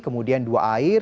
kemudian dua air